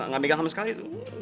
gak megang kamu sekali tuh